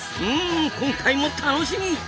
うん今回も楽しみ！